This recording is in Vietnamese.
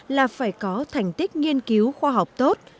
là phải có thành tích nghiên cứu khoa học tốt